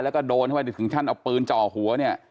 แล้วก็โดนถึงท่านเอาปืนเจาะหัวเนี่ย